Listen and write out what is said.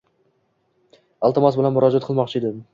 Iltimos bilan murojaat qilmoqchi edim.